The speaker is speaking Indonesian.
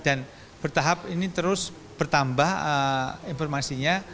dan bertahap ini terus bertambah informasinya